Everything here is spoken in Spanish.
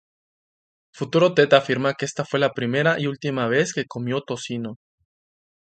Futuro Ted afirma que esta fue la primera y última vez que comió tocino.